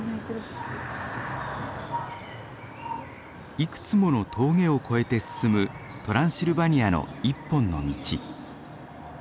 いくつもの峠を越えて進むトランシルバニアの一本の道。